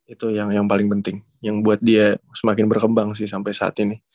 itu yang paling penting yang buat dia semakin berkembang sih sampai saat ini